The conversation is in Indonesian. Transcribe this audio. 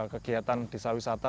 kegiatan desa wisata